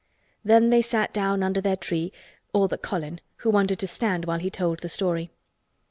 Then they sat down under their tree—all but Colin, who wanted to stand while he told the story.